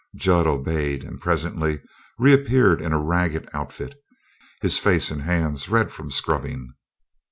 Jud obeyed, and presently reappeared in a ragged outfit, his face and hands red from scrubbing.